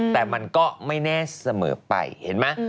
แต่มันก็ไม่แน่เสมอไปเห็นไหม